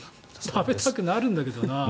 食べたくなるんだけどな。